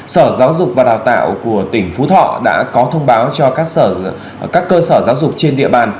sở giáo dục và đào tạo của tỉnh phú thọ đã có thông báo cho các cơ sở giáo dục trên địa bàn